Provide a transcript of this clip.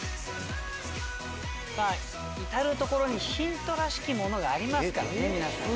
さぁ至る所にヒントらしきものがありますからね皆さん。